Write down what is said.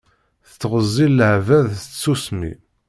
Tettɣezzil leɛbad s tsusmi.